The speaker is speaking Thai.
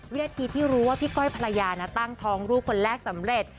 วินาทีที่รู้ว่าพี่ก้อยภรรยานะตั้งท้องลูกคนแรกสำเร็จ